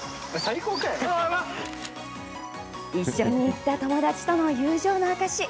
一緒に行った友達との友情の証し。